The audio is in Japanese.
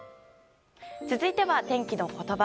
続いては天気のことば。